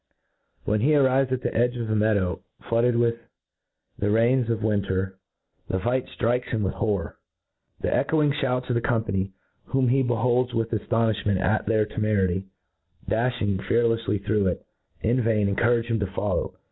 When he arrives at the edge of a meadow flooded with the rains of winter, the fight ftrikcs him with horror; The echoing fliouts of the company, whom he be holds with afl:onifliment at their temerity, dafli^ ing fearlefely through it, in . vain encourage him to follow.